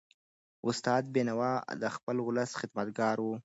استاد بینوا د خپل ولس خدمتګار و.